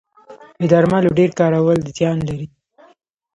د درملو ډیر کارول زیان لري